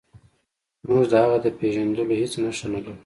موږ د هغه د پیژندلو هیڅ نښه نلرو.